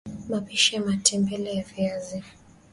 mapishi ya matembele ya viazi